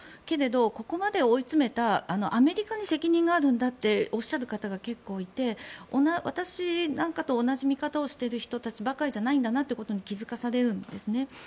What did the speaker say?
けれど、ここまで追い詰めたアメリカに責任があるんだとおっしゃる方が結構いて私なんかと同じ見方をしている人たちばかりじゃないことに気付かされるんですね。